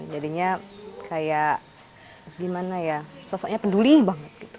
jadinya kayak gimana ya sosoknya peduli banget gitu